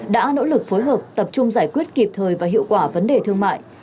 đã nỗ lực phối hợp tập trung giải quyết kịp thời và hiệu quả vấn đề thương mại